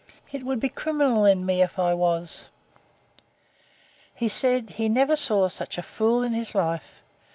It would be criminal in me, if I was. He said, he never saw such a fool in his life.